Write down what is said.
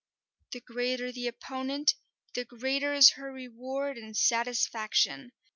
The greater the opponent, the greater is her reward and satisfaction.